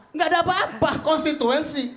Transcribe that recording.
nggak ada apa apa konstituensi